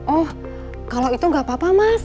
oh kalau itu gak apa apa mas